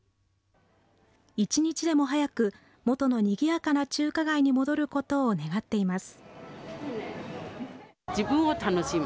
一日でも早く、元のにぎやかな中華街に戻ることを願っています。